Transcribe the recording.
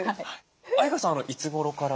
相川さんいつごろから？